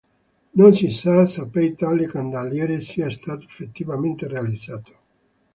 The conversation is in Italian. Non si sa se poi tale candeliere sia stato effettivamente realizzato.